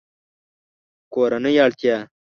کورنۍ اړتیا